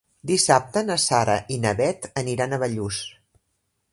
Dissabte na Sara i na Bet aniran a Bellús.